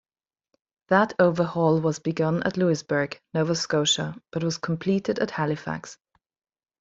That overhaul was begun at Louisburg, Nova Scotia but was completed at Halifax.